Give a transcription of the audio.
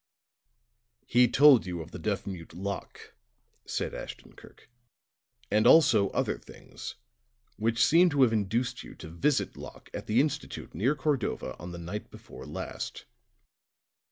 "He told you of the deaf mute, Locke," said Ashton Kirk; "and also other things, which seem to have induced you to visit Locke at the Institute near Cordova on the night before last."